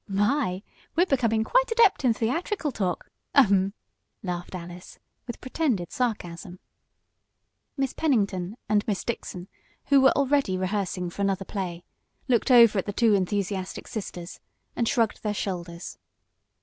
"My! We're becoming quite adept in theatrical talk. Ahem!" laughed Alice with pretended sarcasm. Miss Pennington and Miss Dixon, who were already rehearsing for another play, looked over at the two enthusiastic sisters, and shrugged their shoulders.